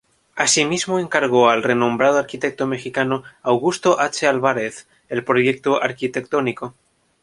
Asimismo encargó al renombrado arquitecto mexicano, Augusto H. Álvarez, el proyecto arquitectónico.